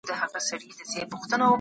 لوست د فکر دروازې پرانيزي.